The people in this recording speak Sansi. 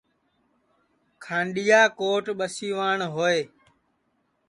کھانڈؔیا کوٹ ٻسیوان ہوئے